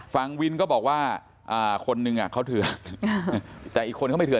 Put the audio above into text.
ฝั่งวินก็บอกว่าคนนึงเขาเถื่อแต่อีกคนเขาไม่เถ